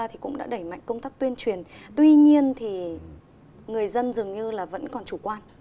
thì cũng đã đẩy mạnh công tác tuyên truyền tuy nhiên thì người dân dường như là vẫn còn chủ quan